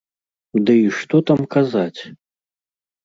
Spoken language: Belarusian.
Дый што там казаць!